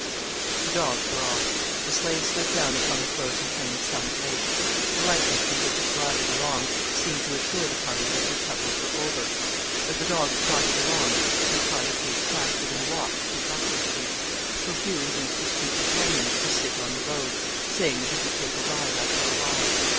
The dogs were off. The sleigh slid down upon the frozen plain of Summit Lake. The lightness with which it glided along seemed to assure the party that their troubles were over. As the dogs trotted along it required a pace faster than a walk to keep up with them; so Hugh induced his two companions to sit on the load, saying that he would take a ride after a while.